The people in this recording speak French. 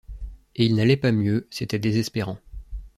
Et il n’allait pas mieux, c’était désespérant.